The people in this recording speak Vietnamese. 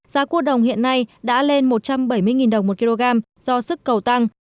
giá cua đồng hiện nay đã lên một trăm bảy mươi đồng một kg do sức cầu tăng